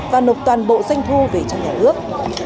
và nộp toàn bộ doanh thu về cho nhà nước